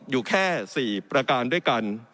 อยู่แค่๔ประการด้วยกัน